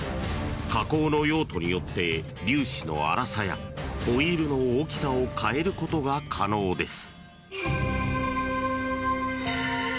加工の用途によって粒子の荒さやホイールの大きさを変えることが可能です。